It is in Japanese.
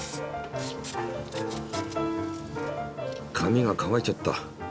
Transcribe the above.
紙が乾いちゃった。